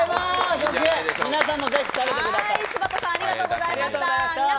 皆さんもぜひ、食べてください。